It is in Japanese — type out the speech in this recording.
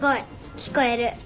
聞こえる。